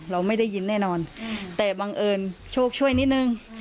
เราไม่ได้ยินแน่นอนแต่บังเอิญโชคช่วยนิดนึง